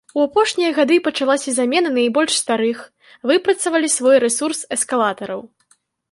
У апошнія гады пачалася замена найбольш старых, выпрацавалі свой рэсурс, эскалатараў.